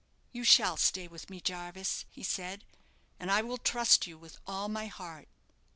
"You shall stay with me, Jarvis," he said; "and I will trust you with all my heart."